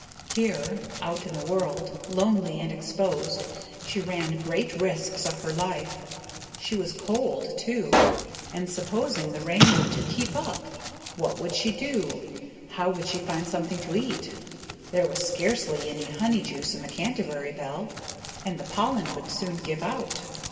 Here, out in the world, lonely and exposed, she ran great risks of her life. She was cold, too. And supposing the rain were to keep up! What would she do, how could she find something to eat? There was scarcely any honey juice in the canterbury bell, and the pollen would soon give out.